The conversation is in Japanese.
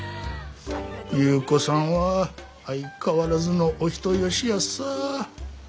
優子さんは相変わらずのお人よしヤッサー。